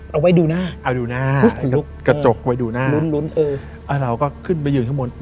เอาไว้ดูหน้ากระจกไว้ดูหน้าเราก็ขึ้นไปยืนข้างบน